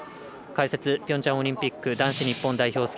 解説、ピョンチャンオリンピック男子日本代表